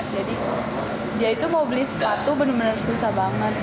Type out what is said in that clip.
jadi dia itu mau beli sepatu bener bener susah banget